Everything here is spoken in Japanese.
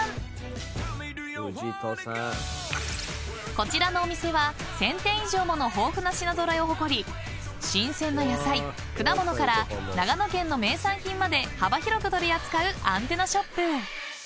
［こちらのお店は１，０００点以上もの豊富な品揃えを誇り新鮮な野菜果物から長野県の名産品まで幅広く取り扱うアンテナショップ］